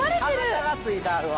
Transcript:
歯形がついたあるわ。